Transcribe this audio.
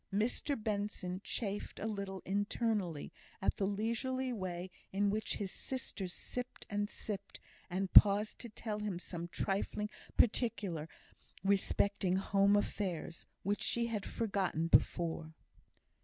Mr Benson chafed a little internally at the leisurely way in which his sister sipped and sipped, and paused to tell him some trifling particular respecting home affairs, which she had forgotten before.